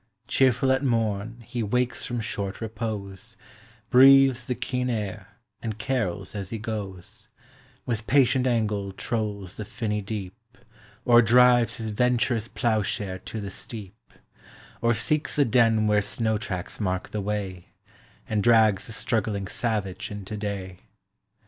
Cheerful at morn he wakes from short repose, Breathes the keen air, and carols as he goes; With patient angle trolls the finny deep, Or drives his venturous ploughshare to the steep; Or seeks the den where snow tracks mark the way, And drags the struggling savage into day.